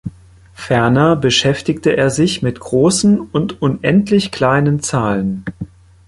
Ferner beschäftigte er sich mit großen und unendlich kleinen Zahlen.